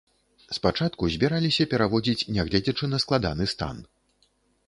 Спачатку збіраліся пераводзіць, нягледзячы на складаны стан.